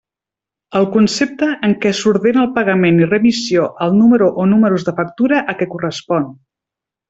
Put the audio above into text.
El concepte en què s'ordena el pagament i remissió al número o números de factura a què correspon.